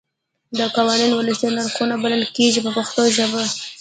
دا قوانین ولسي نرخونه بلل کېږي په پښتو ژبه.